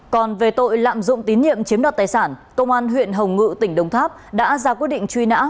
còn về tội lạm dụng tín nhiệm chiếm đoạt tài sản công an huyện hồng ngự tỉnh đồng tháp đã ra quyết định truy nã